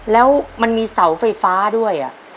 แล้วมันมีเสาไฟฟ้าด้วย